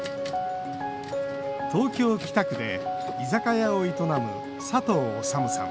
東京・北区で居酒屋を営む佐藤修さん。